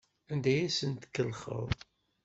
Anda ay asen-tkellxeḍ?